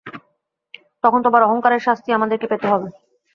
তখন তোমার অহংকারের শাস্তি আমাদেরকে পেতে হবে!